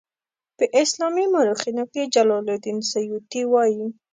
په اسلامي مورخینو کې جلال الدین سیوطي وایي.